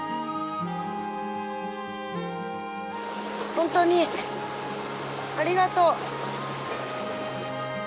本当にありがとう。